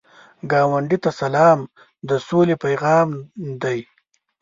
ګاونډي ته سلام، د سولې پیغام دی